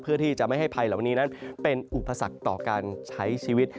เพื่อที่จะไม่ให้ภัยเหล่านี้นั้นเป็นอุปสรรคต่อการใช้ชีวิต